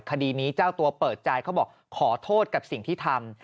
คดีนี้เจ้าตัวเปิดใจเขาบอกขอโทษกับสิ่งที่ทำ